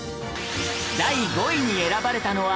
第５位に選ばれたのは